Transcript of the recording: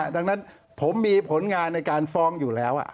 ดังนั้นผมมีผลงานในการฟ้องอยู่แล้ว